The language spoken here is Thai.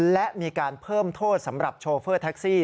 และมีการเพิ่มโทษสำหรับโชเฟอร์แท็กซี่